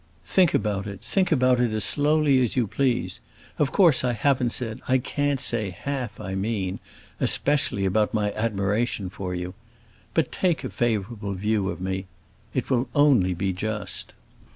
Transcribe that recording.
Think about it, think about it as slowly as you please. Of course I haven't said, I can't say, half I mean, especially about my admiration for you. But take a favorable view of me; it will only be just."